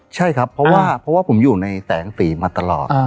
ใช่ครับเพราะว่าผมอยู่ในแสงฝีมาตลอด